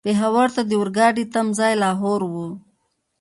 پېښور ته د اورګاډي تم ځای لاهور و.